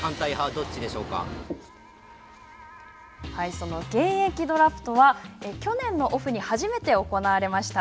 その現役ドラフトは去年のオフに初めて行われました。